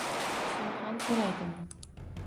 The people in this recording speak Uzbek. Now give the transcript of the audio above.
Shuni ham so`raydimi